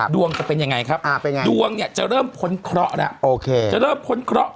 ดวงจะเป็นยังไงครับดวงเนี่ยจะเริ่มพ้นเคราะห์แล้วโอเคจะเริ่มพ้นเคราะห